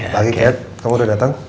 pagi kat kamu udah datang